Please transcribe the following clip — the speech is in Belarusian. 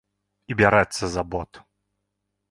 І бярэцца за бот.